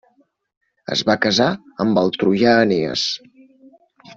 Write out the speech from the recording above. Es va casar amb el troià Enees.